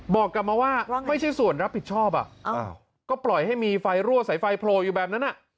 บอกกลับมาว่าไม่ใช่ส่วนรับผิดชอบก็ปล่อยให้มีไฟรั่วสายไฟโผล่อยู่แบบนั้น